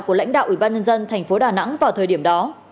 của lãnh đạo ubnd tp đà nẵng vào thời điểm đó